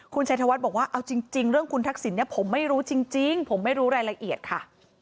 คุณชัยธวัฒน์บอกว่าเอาจริงเรื่องคุณทักษิณเนี่ยผมไม่รู้จริงผมไม่รู้รายละเอียดค่ะ